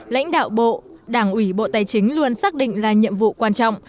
lãnh đạo bộ đảng ủy bộ tài chính luôn xác định là nhiệm vụ quan trọng